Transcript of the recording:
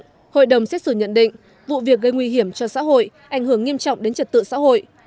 trong đó hội đồng xét xử nhận định vụ việc gây nguy hiểm cho xã hội ảnh hưởng nghiêm trọng đến trật tự xã hội